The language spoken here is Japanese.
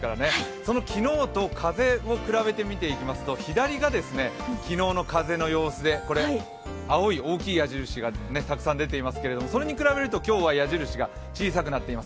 その昨日と風を比べてみていきますと左が昨日の風の様子で、青い大きい矢印がたくさん出ていますけれどもそれに比べると矢印が小さくなっています。